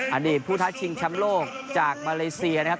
อันนี้ผู้ทัชชิงชำโลกจากมาเลเซียนะครับ